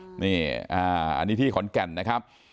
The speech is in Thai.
อันนี้ที่ขอนแก่นนะครับ